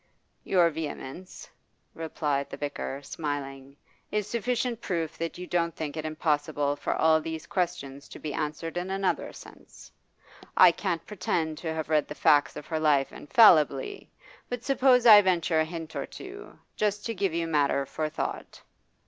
'Your vehemence,' replied the vicar, smiling, 'is sufficient proof that you don't think it impossible for all these questions to be answered in another sense. I can't pretend to have read the facts of her life infallibly, but suppose I venture a hint or two, just to give you matter for thought.